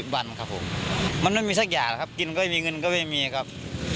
วันครับผมมันไม่มีสักอย่างครับกินก็ไม่มีเงินก็ไม่มีครับ